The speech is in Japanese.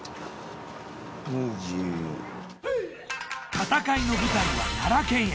戦いの舞台は奈良県へ。